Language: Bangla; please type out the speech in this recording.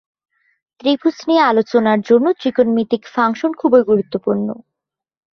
ত্রিভুজ নিয়ে আলোচনার জন্য ত্রিকোণমিতিক ফাংশন খুবই গুরুত্বপূর্ণ।